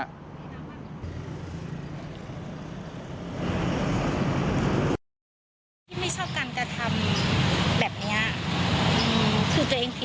ที่ไม่ชอบการกระทำแบบนี้